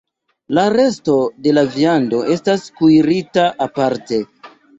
La resto de la viando estas kuirita aparte.